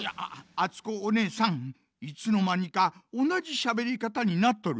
あつこおねえさんいつのまにかおなじしゃべりかたになっとるぞ。